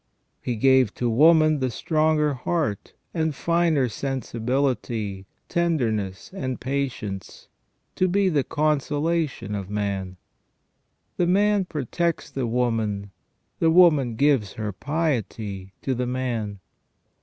He gave to woman the stronger heart, and finer sensibility, tenderness, and patience, to be the consolation of man. The man protects the woman, the woman gives her piety to the man.